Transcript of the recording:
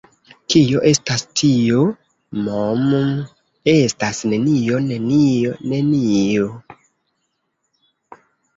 Kio estas tio? Mmm estas nenio, nenio, nenio...